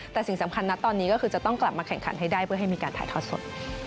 แต่สิ่งสำคัญนะตอนนี้ก็คือจะต้องกลับมาแข่งขันให้ได้เพื่อให้มีการถ่ายทอดสด